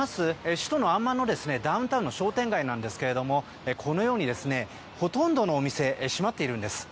首都アンマンのダウンタウンの商店街ですがこのようにほとんどのお店が閉まっているんです。